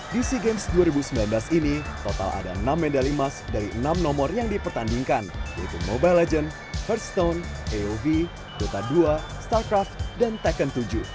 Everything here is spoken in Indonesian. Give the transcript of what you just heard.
di sea games dua ribu sembilan belas ini total ada enam medali emas dari enam nomor yang dipertandingkan yaitu mobile legends first tone aov dota dua starcraft dan taken tujuh